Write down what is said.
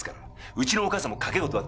うちのお母さんも賭け事は。